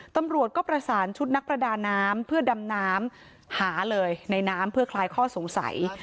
ตำรวจก็ประสานชุดนักประดาน้ำเพื่อดำน้ำหาเลยในน้ำเพื่อคลายข้อสงสัย